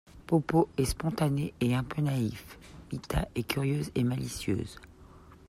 Popo est spontané et un peu naïf, Mita est curieuse et malicieuse.